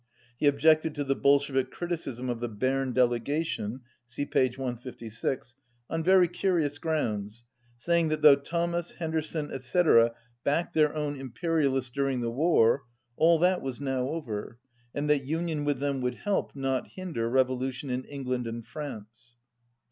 He objected to the Bolshevik criticism of the Berne delegation (see page 156) on very curious grounds, saying that though Thomas, Henderson, etc., backed their own Impe rialists during the war, all that was now over, and that union with them would help, not hinder, revo lution in England and France, 4.